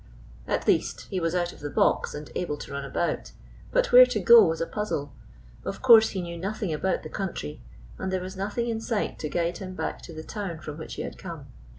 At least he was out of the box and able to run about ; but where to go was a puzzle. Of course, he knew nothing about the country, and there was nothing in sight to guide him back to the town from which he had come.